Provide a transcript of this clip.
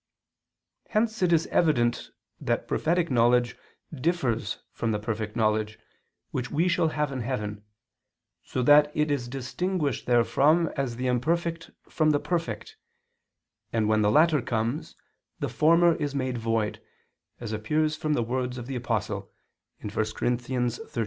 Hence it is evident that prophetic knowledge differs from the perfect knowledge, which we shall have in heaven, so that it is distinguished therefrom as the imperfect from the perfect, and when the latter comes the former is made void, as appears from the words of the Apostle (1 Cor. 13:10).